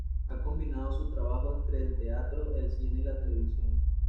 Ha combinado su trabajo entre el teatro el cine y la televisión.